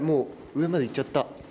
上まで行っちゃった。